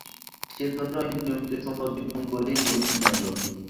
সেইজন্যেই নিয়মিত সময় অতিক্রম করেই মধুসূদন এল।